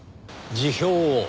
辞表を？